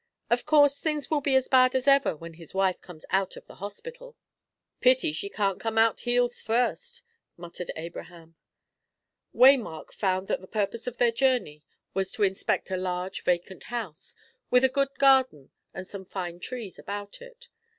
Of course things will be as bad as ever when his wife comes out of the hospital." "Pity she can't come out heels first," muttered Abraham. Waymark found that the purpose of their journey was to inspect a large vacant house, with a good garden and some fine trees about it.